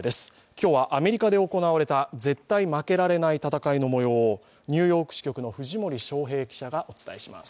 今日はアメリカで行われた絶対負けられない戦いのもようをニューヨーク支局の藤森祥平記者がお伝えします。